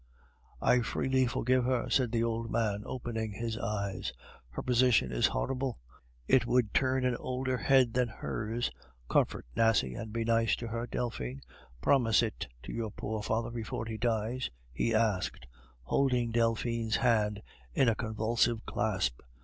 "I freely forgive her," said the old man, opening his eyes; "her position is horrible; it would turn an older head than hers. Comfort Nasie, and be nice to her, Delphine; promise it to your poor father before he dies," he asked, holding Delphine's hand in a convulsive clasp.